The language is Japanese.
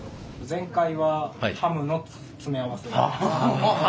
前回はハムの詰め合わせ。